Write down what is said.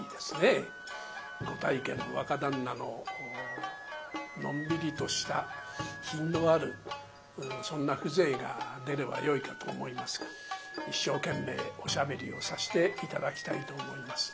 ご大家の若旦那ののんびりとした品のあるそんな風情が出ればよいかと思いますが一生懸命おしゃべりをさして頂きたいと思います。